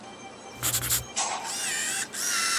که انلاین ټولګی ملاتړ ولري، زده کوونکی نه وارخطا کېږي.